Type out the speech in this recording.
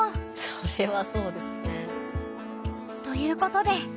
それはそうですね。ということで。